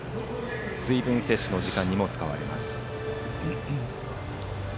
水分摂取の時間にも使われます。